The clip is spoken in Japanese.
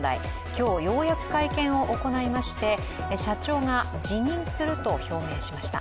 今日ようやく会見を行いまして社長が辞任すると表明しました。